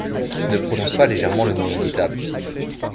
Ne prononce pas légèrement le nom irritable.